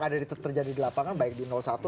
ada yang terjadi di lapangan baik di satu atau dua